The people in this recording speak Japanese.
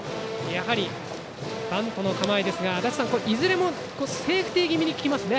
やはりバントの構えですがいずれもセーフティー気味ですね